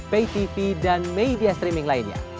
paytv dan media streaming lainnya